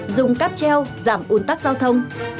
dùng cắp treo giảm ủn tắc giao thông